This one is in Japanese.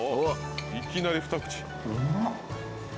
いきなりふた口。